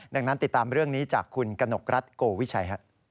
ดังนั้นติดตามเรื่องนี้จากคุณกนกรัฐโกวิชัย